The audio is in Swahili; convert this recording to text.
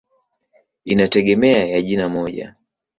Inategemea ya jina moja.